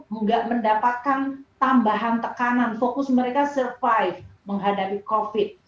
tidak mendapatkan tambahan tekanan fokus mereka survive menghadapi covid sembilan belas